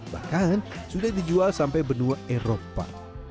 bahkan sudah dijual sampai benua eropa